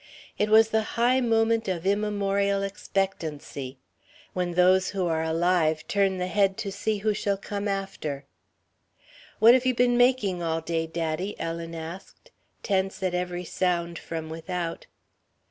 It was the high moment of immemorial expectancy, when those who are alive turn the head to see who shall come after. "What you been making all day, daddy?" Ellen asked, tense at every sound from without.